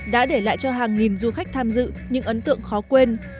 đã để lại cho hàng nghìn du khách tham dự những ấn tượng khó quên